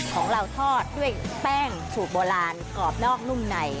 ของเราทอดด้วยแป้งสูตรโบราณกรอบนอกนุ่มใน